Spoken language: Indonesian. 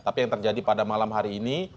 tapi yang terjadi pada malam hari ini